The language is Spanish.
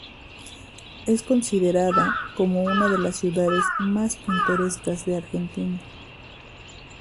Es considerada cómo una de las ciudades más pintorescas de Argentina.